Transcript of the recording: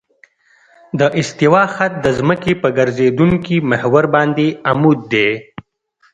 د استوا خط د ځمکې په ګرځېدونکي محور باندې عمود دی